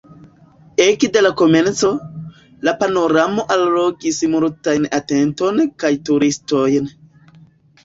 Ekde la komenco, la panoramo allogis multajn atenton kaj turistojn.